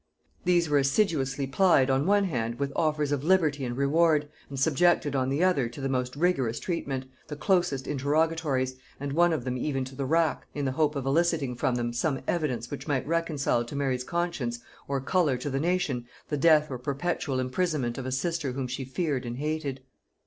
These were assiduously plied on one hand with offers of liberty and reward, and subjected on the other to the most rigorous treatment, the closest interrogatories, and one of them even to the rack, in the hope of eliciting from them some evidence which might reconcile to Mary's conscience, or color to the nation, the death or perpetual imprisonment of a sister whom she feared and hated.